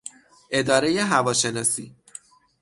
ادارهی هواشناسی